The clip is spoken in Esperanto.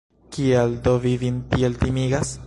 Kial do vi vin tiel timigas?